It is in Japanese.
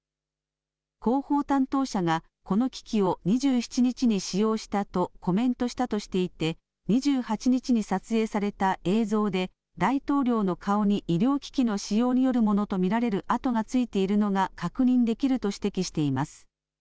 広報担当者がこの機器を２７日に使用したとコメントしたとしていて２８日に撮影された映像で大統領の顔に医療機器の使用によるものと見られる痕がついているのが確認できると指摘しています。